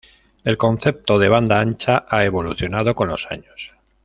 El concepto de banda ancha ha evolucionado con los años.